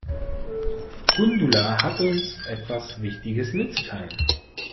Gundula hat uns etwas Wichtiges mitzuteilen.